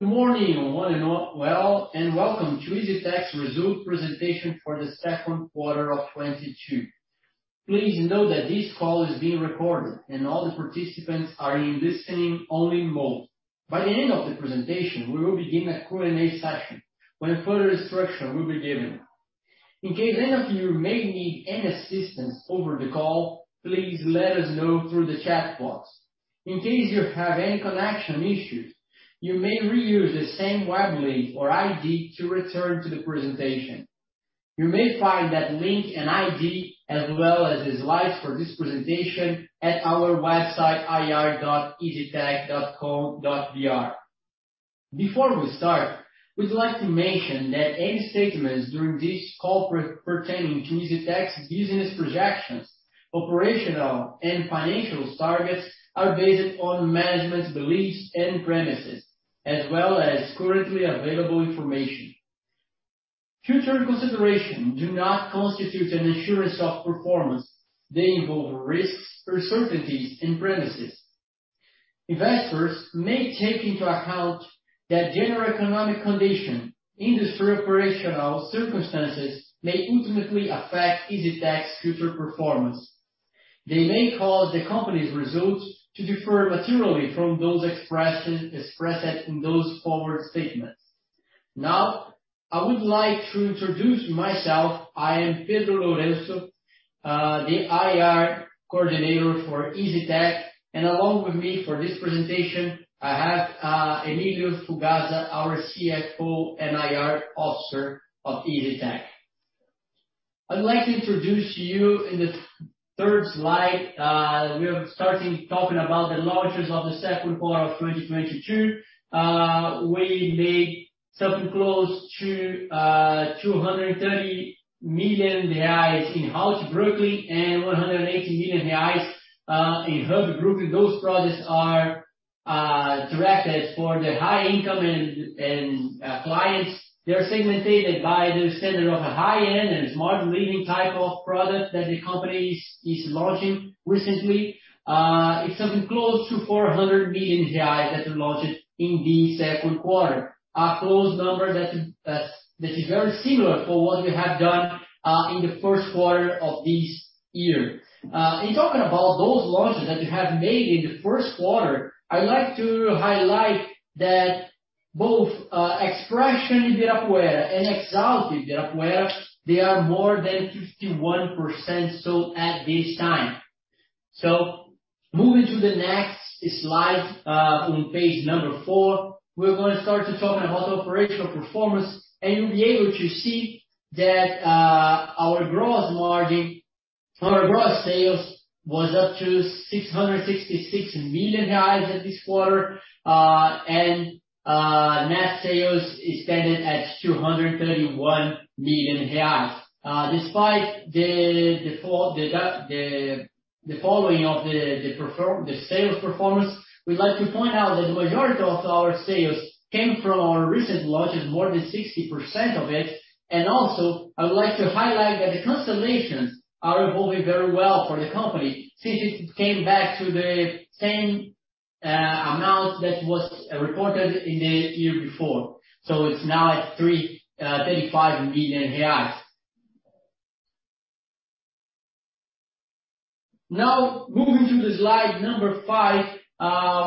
Good morning one and all, and welcome to EZTEC results presentation for the second quarter of 2022. Please note that this call is being recorded and all the participants are in listening only mode. By the end of the presentation, we will begin a Q&A session when further instruction will be given. In case any of you may need any assistance over the call, please let us know through the chat box. In case you have any connection issues, you may reuse the same web link or ID to return to the presentation. You may find that link and ID as well as the slides for this presentation at our website ir.eztec.com.br. Before we start, we'd like to mention that any statements during this call pertaining to EZTEC's business projections, operational and financial targets are based on management's beliefs and premises, as well as currently available information. Forward-looking statements do not constitute an assurance of performance. They involve risks, uncertainties and assumptions. Investors may take into account that general economic conditions, industry operational circumstances may materially affect EZTEC's future performance. They may cause the company's results to differ materially from those expressed in those forward-looking statements. Now, I would like to introduce myself. I am Pedro Lourenço, the IR coordinator for EZTEC, and along with me for this presentation, I have Emílio Fugazza, our CFO and IRO of EZTEC. I'd like to introduce to you in the third slide, we are starting talking about the launches of the second quarter of 2022. We made something close to 230 million reais in Haus Brooklyn and 180 million reais in Hub Brooklyn. Those projects are directed for the high income and clients. They are segmented by the standard of a high-end and Smart Living type of product that the company is launching recently. It's something close to 400 million reais that we launched in the second quarter. A close number that is very similar for what we have done in the first quarter of this year. In talking about those launches that we have made in the first quarter, I'd like to highlight that both Expression Ibirapuera and Exalt Ibirapuera, they are more than 51% sold at this time. Moving to the next slide, on page 4, we're gonna start talking about operational performance, and you'll be able to see that our gross sales was up to 666 million reais at this quarter. Net sales extended at 231 million reais. Despite the fall in the sales performance, we'd like to point out that the majority of our sales came from our recent launches, more than 60% of it. Also, I would like to highlight that the cancellations are evolving very well for the company since it came back to the same amount that was reported in the year before. It's now at 35 million reais. Now moving to slide number 5,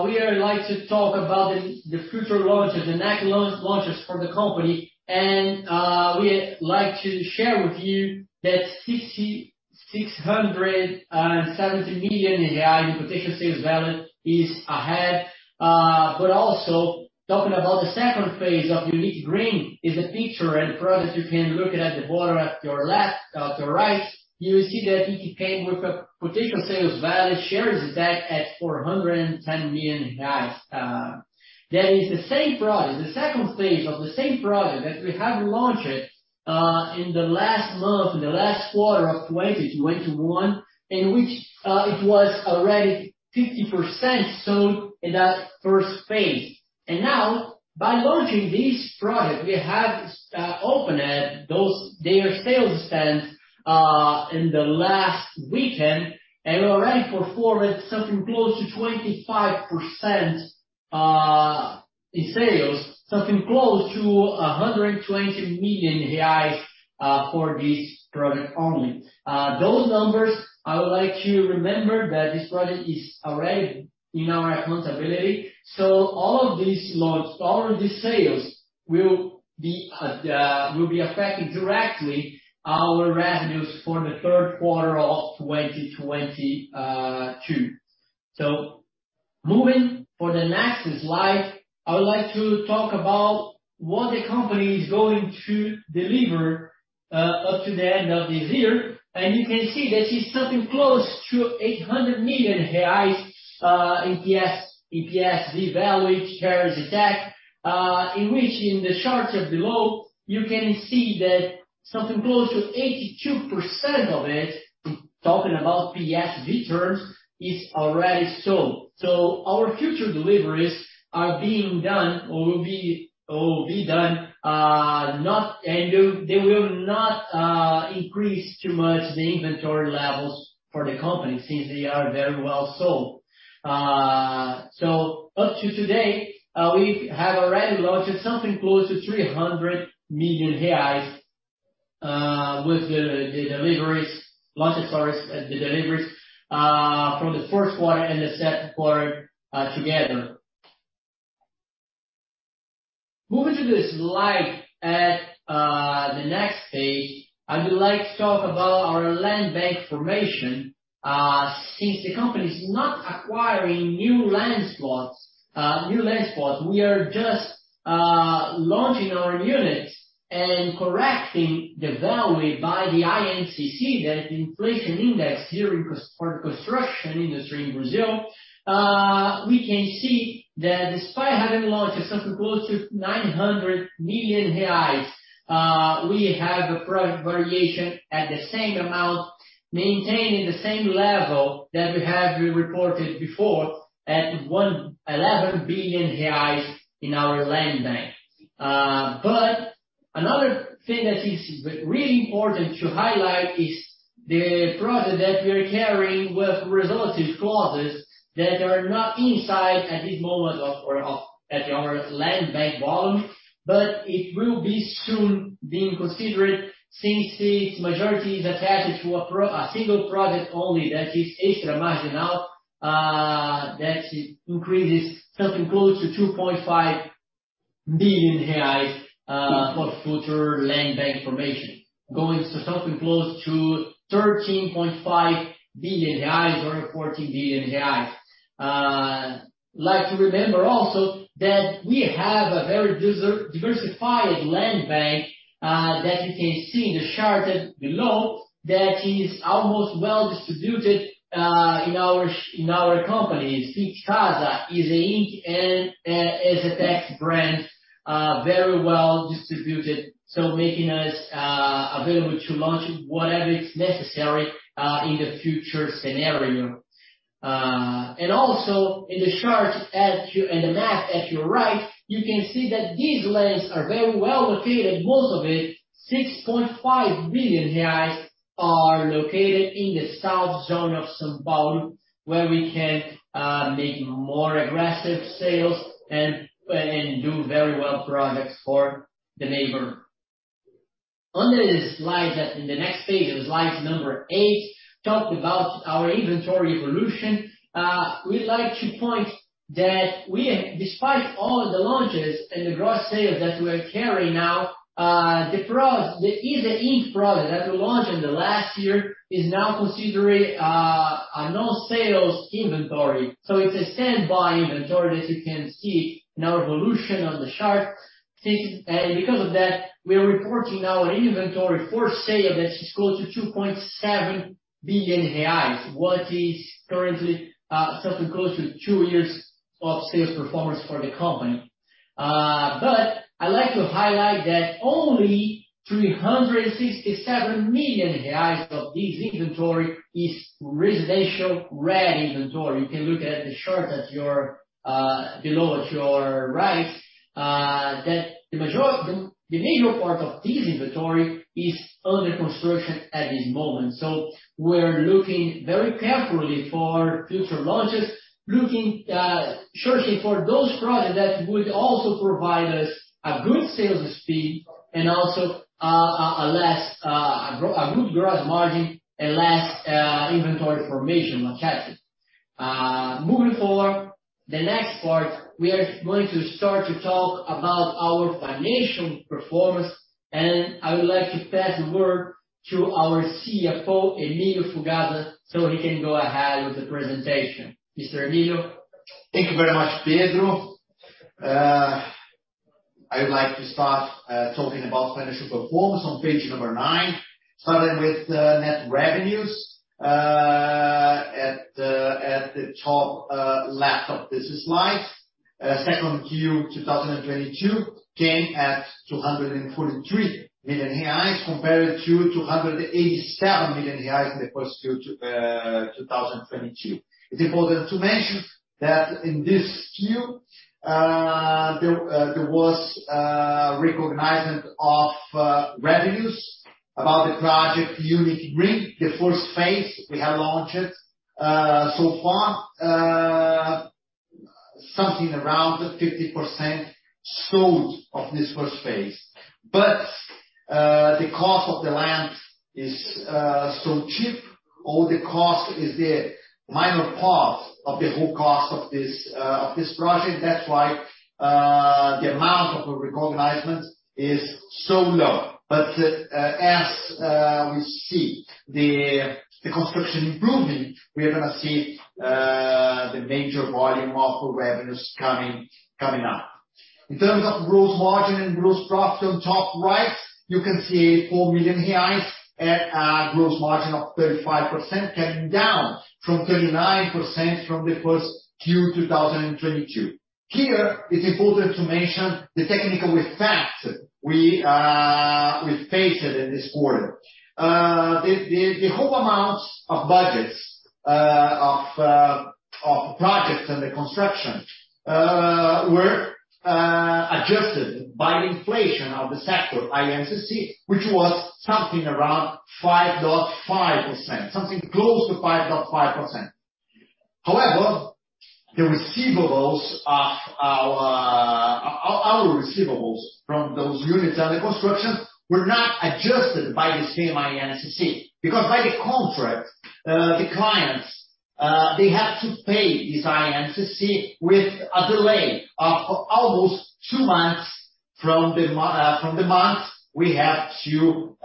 we'd like to talk about the future launches, the next launches for the company. We'd like to share with you that 667 million in potential sales value is ahead. Also talking about the second phase of Unique Green is a feature and product you can look at the bottom of your right. You will see that it came with a potential sales value that at 410 million reais. That is the same product, the second phase of the same product that we have launched in the last month, in the last quarter of 2021, in which it was already 50% sold in that first phase. Now by launching this product, we have opened their sales stands in the last weekend. We already performed something close to 25% in sales, something close to 120 million reais for this product only. Those numbers, I would like to remind that this project is already in our backlog. All of these sales will be affecting directly our revenues for the third quarter of 2022. Moving to the next slide, I would like to talk about what the company is going to deliver up to the end of this year. You can see that it's something close to 800 million reais in PSV valued shares at cost, in which the charts below you can see that something close to 82% of it, talking about PSV terms, is already sold. Our future deliveries are being done or will be done. They will not increase too much the inventory levels for the company since they are very well sold. Up to today, we have already launched something close to 300 million reais with the deliveries from the first quarter and the second quarter together. Moving to the slide at the next page, I would like to talk about our land bank formation. Since the company is not acquiring new land spots, we are just launching our units and correcting the value by the INCC, the Inflation Index for the construction industry in Brazil. We can see that despite having launched something close to 900 million reais, we have a price variation at the same amount, maintaining the same level that we have reported before at 11 billion reais in our land bank. Another thing that is really important to highlight is the project that we are carrying with resolutive clauses that are not inside at this moment of our land bank volume, but it will be soon being considered since its majority is attached to a single project only that is Extra Marginal, that it increases something close to 2.5 billion reais for future land bank formation, going to something close to 13.5 billion reais or 14 billion reais. Like to remember also that we have a very diversified land bank that you can see in the chart below that is almost well distributed in our company. Fit Casa, EZ Inc, and EZTEC brand very well distributed, so making us available to launch whatever is necessary in the future scenario. Also in the map at your right, you can see that these lands are very well located. Most of it, 6.5 billion reais, are located in the south zone of São Paulo, where we can make more aggressive sales and do very well projects for the neighborhood. In the next page, slide number eight, talk about our inventory evolution. We'd like to point out that we—despite all the launches and the gross sales that we are carrying now, the EZ Inc product that we launched in the last year is now considered a non-sales inventory. It's a standby inventory, as you can see in our evolution on the chart. Because of that, we are reporting our inventory for sale that is close to 2.7 billion reais, which is currently something close to two years of sales performance for the company. But I like to highlight that only 367 million reais of this inventory is residential ready inventory. You can look at the chart below at your right, that the major part of this inventory is under construction at this moment. We're looking very carefully for future launches shortly for those projects that would also provide us a good sales speed and also a good growth margin and less inventory formation on capital. Moving forward, the next part, we are going to start to talk about our financial performance, and I would like to pass the word to our CFO, Emilio Fugazza, so he can go ahead with the presentation. Mr. Emilio. Thank you very much, Pedro. I would like to start talking about financial performance on page number 9, starting with net revenues at the top left of this slide. Second Q 2022 came at 243 million reais compared to 287 million reais in the first Q 2022. It's important to mention that in this Q, there was recognition of revenues about the project Unique Green, the first phase we have launched. So far, something around 50% sold of this first phase. The cost of the land is so cheap, all the cost is the minor part of the whole cost of this project. That's why the amount of the recognition is so low. As we see the construction improving, we are gonna see the major volume of the revenues coming up. In terms of gross margin and gross profit on top right, you can see 4 million reais at a gross margin of 35%, coming down from 39% from 1Q 2022. Here, it's important to mention the technical effect we faced in this quarter. The whole amounts of budgets of projects and the construction were adjusted by the inflation of the sector, INCC, which was something around 5.5%, something close to 5.5%. However, the receivables of our receivables from those units under construction were not adjusted by the same INCC. Because by the contract, the clients, they have to pay this INCC with a delay of almost 2 months from the month we have to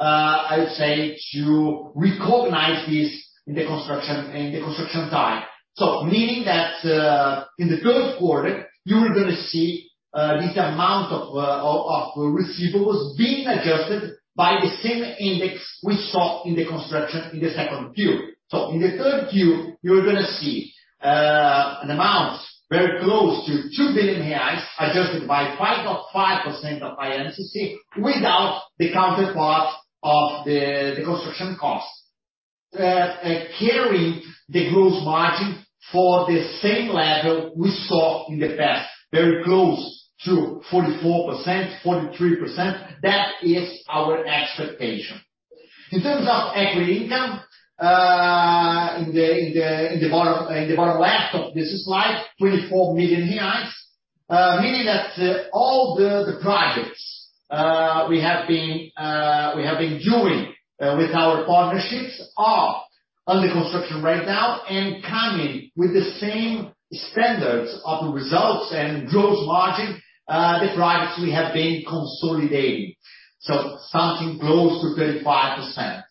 recognize this in the construction time. Meaning that, in the third quarter, you're gonna see this amount of receivables being adjusted by the same index we saw in the construction in the second Q. In the third Q, you're gonna see an amount very close to 2 billion reais adjusted by 5.5% of INCC without the counterpart of the construction cost. Carrying the gross margin for the same level we saw in the past, very close to 44%, 43%, that is our expectation. In terms of equity income, in the bottom left of this slide, 24 million reais. Meaning that all the projects we have been doing with our partnerships are under construction right now. Coming with the same standards of results and gross margin, the projects we have been consolidating, so something close to 35%.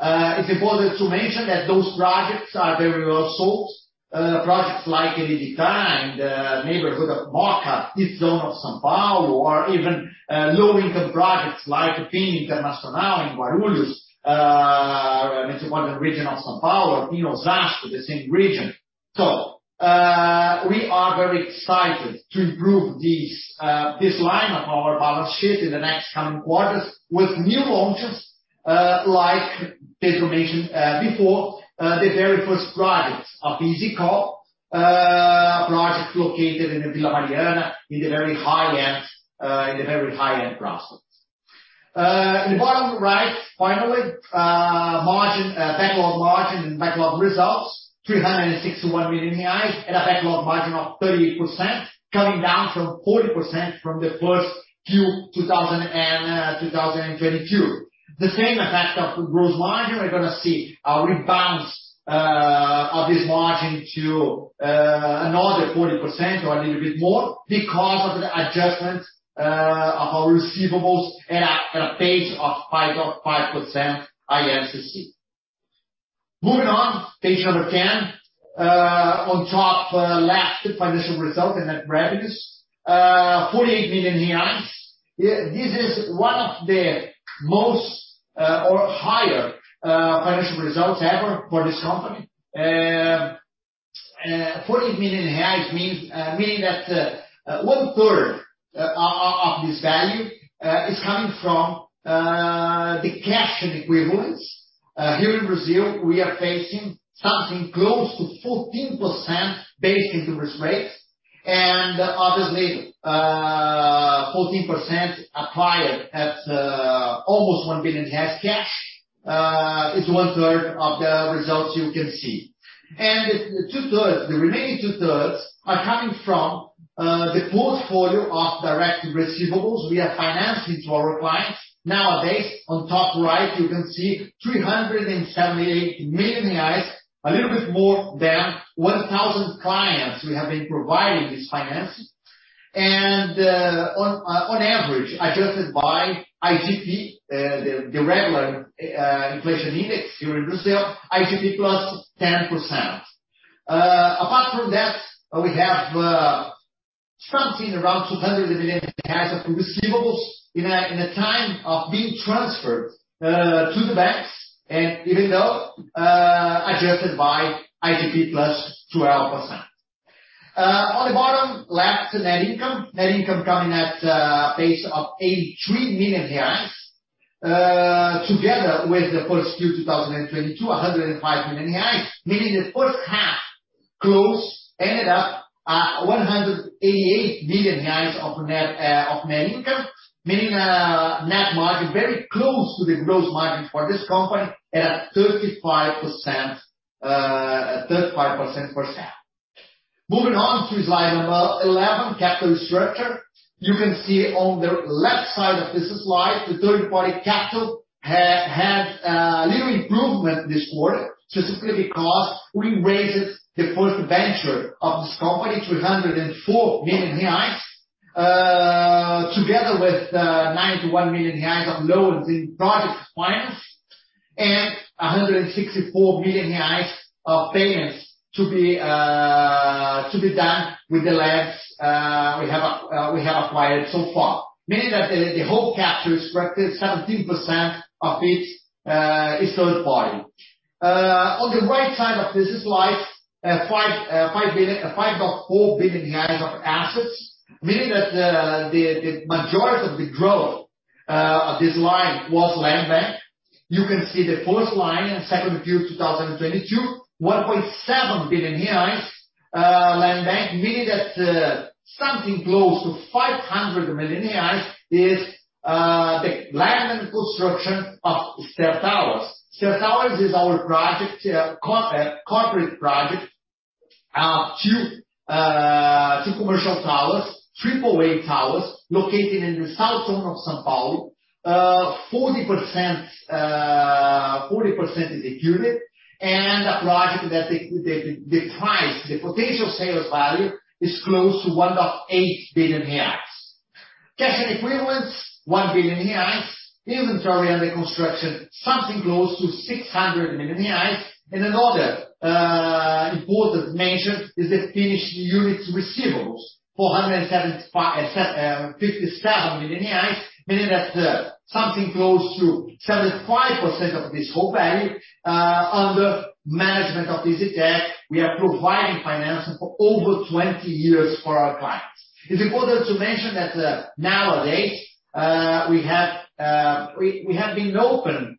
It's important to mention that those projects are very well sold. Projects like Elit Mooca, the neighborhood of Mooca, east zone of São Paulo, or even low-income projects like Pin Internacional in Guarulhos, metropolitan region of São Paulo, in Osasco, the same region. We are very excited to improve this line of our balance sheet in the next coming quarters with new launches, like Pedro mentioned before, the very first projects of EZ Co, projects located in Vila Mariana in the very high-end bairros. In the bottom right, finally, backlog margin and backlog results, 361 million reais at a backlog margin of 38%, coming down from 40% from the first Q 2022. The same effect of gross margin, we're gonna see a rebound of this margin to another 40% or a little bit more because of the adjustment of our receivables at a pace of 5.5% INCC. Moving on, page number 10. On top left, financial result and net revenues, 48 million reais. This is one of the most or higher financial results ever for this company. 48 million reais means, meaning that, one-third of this value is coming from the cash equivalents. Here in Brazil, we are facing something close to 14% basic interest rates. Obviously, 14% applied at almost 1 billion cash is one-third of the results you can see. Two-thirds, the remaining two-thirds are coming from the portfolio of direct receivables we are financing to our clients. Nowadays, on top right, you can see 378 million, a little bit more than 1,000 clients we have been providing this financing. On average, adjusted by IGP, the regular inflation index here in Brazil, IGP + 10%. Apart from that, we have something around 200 million of receivables in a time of being transferred to the banks, even though adjusted by IGP + 12%. On the bottom left, net income. Net income coming at a pace of 83 million reais. Together with the first Q 2022, 105 million reais. Meaning the first half close ended up at 188 million reais of net income. Meaning net margin very close to the gross margin for this company at 35%. Moving on to slide number 11, capital structure. You can see on the left side of this slide, the third-party capital has little improvement this quarter, specifically because we raised the first debenture of this company, 304 million reais. Together with 91 million reais of loans in projects financed, and 164 million reais of payments to be done with the lands we have acquired so far. Meaning that the whole capital structure, 17% of it, is third party. On the right side of this slide, 5.4 billion of assets, meaning that the majority of the growth of this line was land bank. You can see the first line in 2Q 2022, 1.7 billion reais. Meaning that something close to 500 million reais is the land and construction of Esther Towers. Esther Towers is our project, corporate project, two commercial towers, Triple-A towers located in the south zone of São Paulo. 40% is a unit, the price, the potential sales value is close to 1.8 billion reais. Cash and equivalents, 1 billion reais. Inventory under construction, something close to 600 million reais. Another important measure is the finished units receivables, 457 million, meaning that something close to 75% of this whole value under management of EZTEC, we are providing financing for over 20 years for our clients. It's important to mention that nowadays we have been open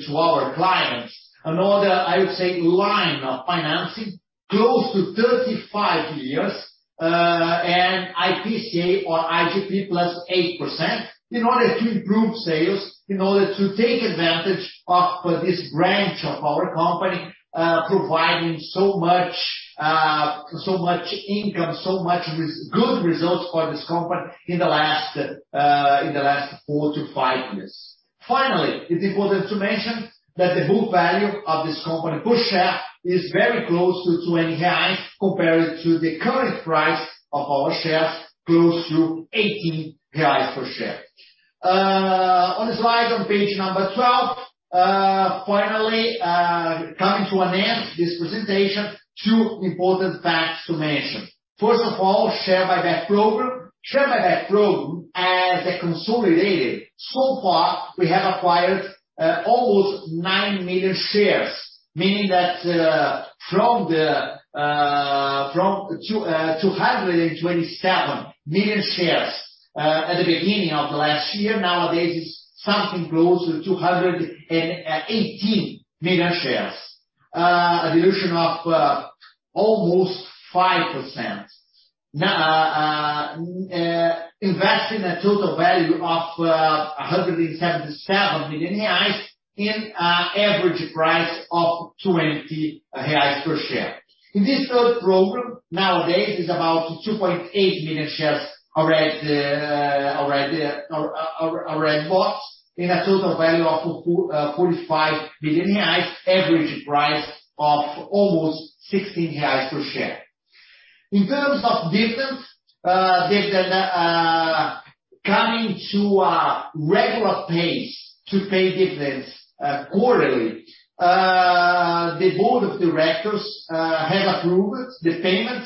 to our clients another, I would say, line of financing close to 35 years, and IPCA or IGP +8% in order to improve sales, in order to take advantage of this branch of our company providing so much income, so much good results for this company in the last 4-5 years. Finally, it's important to mention that the book value of this company per share is very close to 20 reais compared to the current price of our shares, close to 18 reais per share. On the slide on page 12, finally, coming to an end this presentation, two important facts to mention. First of all, share buyback program. As consolidated so far we have acquired almost 9 million shares, meaning that from 227 million shares at the beginning of last year, nowadays it's something close to 218 million shares. A dilution of almost 5%. Now, investing a total value of 177 million reais at an average price of 20 reals per share. In this third program, nowadays it's about 2.8 million shares already bought in a total value of 45 billion reais, average price of almost 16 reais per share. In terms of dividends, the coming to a regular pace to pay dividends quarterly, the board of directors have approved the payment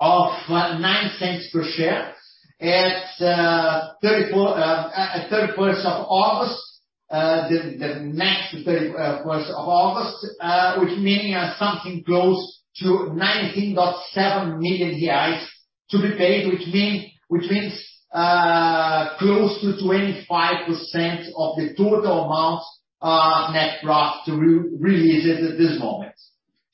of 0.09 per share at thirty-first of August, the next thirty-first of August, which meaning something close to 19.7 million reais to be paid, which means close to 25% of the total amount net profit to re-release it at this moment.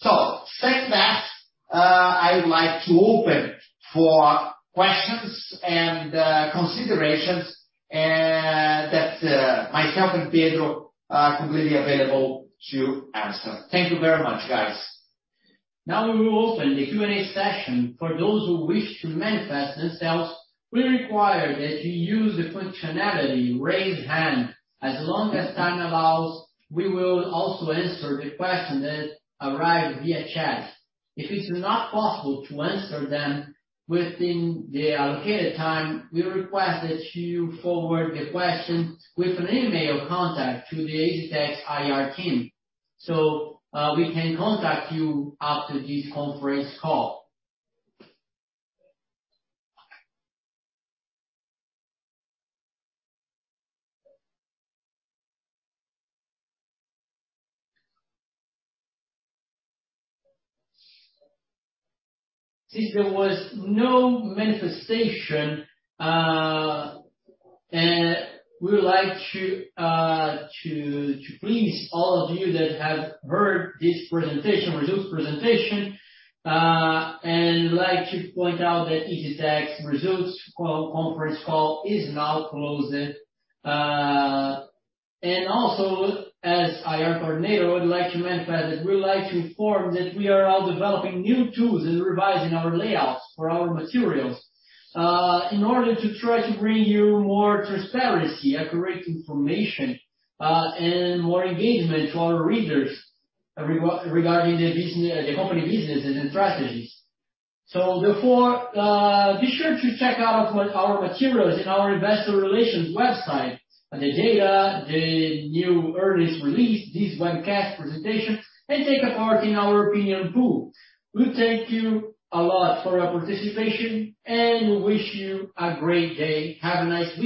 With that, I would like to open for questions and considerations that myself and Pedro are completely available to answer. Thank you very much, guys. Now we will open the Q&A session. For those who wish to manifest themselves, we require that you use the functionality Raise Hand. As long as time allows, we will also answer the question that arrive via chat. If it's not possible to answer them within the allocated time, we request that you forward the question with an email contact to the EZTEC IR team, so we can contact you after this conference call. Since there was no manifestation, we would like to please all of you that have heard this presentation, results presentation, and like to point out that EZTEC results call, conference call is now closed. As IR coordinator, I would like to manifest that we would like to inform that we are all developing new tools and revising our layouts for our materials, in order to try to bring you more transparency, accurate information, and more engagement to our readers regarding the company businesses and strategies. Be sure to check out our materials in our investor relations website, the data, the new earnings release, this webcast presentation, and take part in our opinion poll. We thank you a lot for your participation, and we wish you a great day. Have a nice week